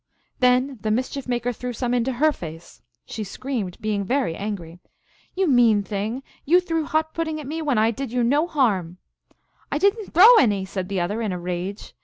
Then the Mischief Maker threw some into her face. She screamed, being very angry. THE MERRY TALES OF LOX. 197 " You mean thing ! You threw hot pudding at me, when I did you no harm." " I did n t throw any !" said the other, in a rage.